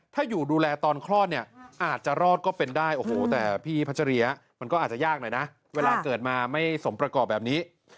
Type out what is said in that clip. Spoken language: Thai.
ถ้าอยู่ดูแลตอนคลอดเนี่ยอาจจะรอดก็เป็นได้โอ้โหแต่พี่พัชริยะมันก็อาจจะยากหน่อยนะเวลาเกิดมาไม่สมประกอบแบบนี้